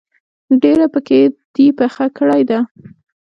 ډیره پکه دي پخه کړی ده